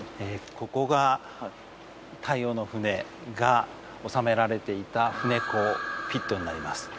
ここが太陽の船が納められていた船坑ピットになります。